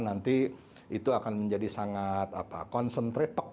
nanti itu akan menjadi sangat apa konsentrasi pekat ya bisa menimbulkan beban tiba tiba buat